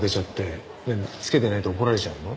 つけてないと怒られちゃうの？